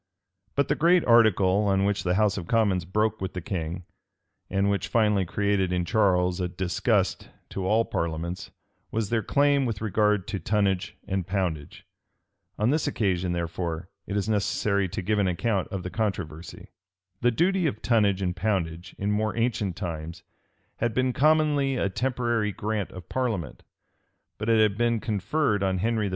But the great article on which the house of commons broke with the king, and which finally created in Charles a disgust to all parliaments, was their claim with regard to tonnage and poundage. On this occasion, therefore, it is necessary to give an account of the controversy. The duty of tonnage and poundage, in more ancient times, had been commonly a temporary grant of parliament; but it had been conferred on Henry V.